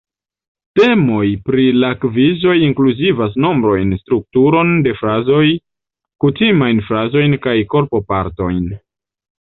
Temoj por la kvizoj inkluzivas nombrojn, strukturon de frazoj, kutimajn frazojn kaj korpopartojn.